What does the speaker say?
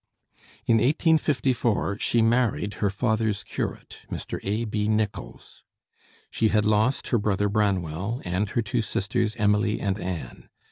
In 1854 she married her father's curate, Mr. A.B. Nicholls. She had lost her brother Branwell and her two sisters Emily and Anne.